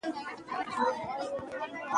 باسواده نجونې د بیرغ درناوی کوي.